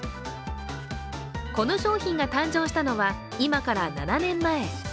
この商品が誕生したのは今から７年前。